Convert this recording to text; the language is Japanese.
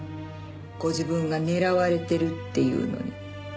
ご自分が狙われてるっていうのに。